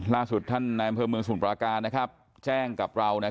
ล่าสุดท่านนายอำเภอเมืองสมุทรปราการนะครับแจ้งกับเรานะครับ